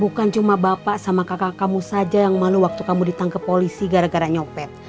bukan cuma bapak sama kakak kamu saja yang mana waktu kamu ditangkap polisi gara gara nyopet